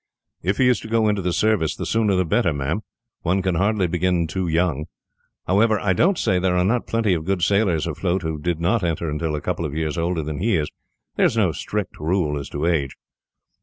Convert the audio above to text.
"If he is to go into the service, the sooner the better, ma'am one can hardly begin too young. However, I don't say there are not plenty of good sailors, afloat, who did not enter until a couple of years older than he is there is no strict rule as to age.